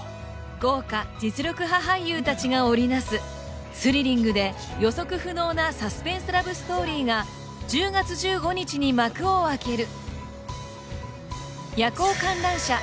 豪華実力派俳優達が織り成すスリリングで予測不能なサスペンスラブストーリーが１０月１５日に幕を開ける！